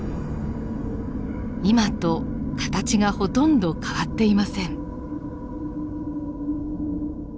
今と形がほとんど変わっていません。